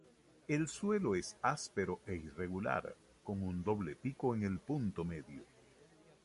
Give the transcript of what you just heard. El suelo es áspero e irregular, con un doble pico en el punto medio.